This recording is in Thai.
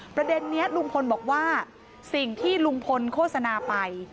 ประเด็นนี้ลุงพลบอกว่าสิ่งที่ลุงพลโฆษณาไป